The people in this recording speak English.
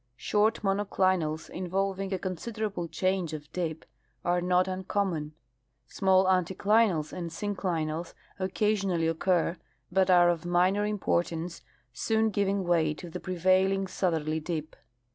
Short monoclinals involving a considerable change of dip are not un common. Small anticlinals and synclinals occasionally occur, but are of minor importance, soon giving way to the prevailing southerly clip.